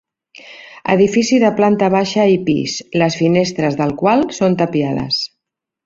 Edifici de planta baixa i pis, les finestres del qual són tapiades.